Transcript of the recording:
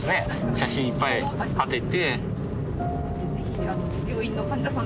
写真いっぱい張ってて。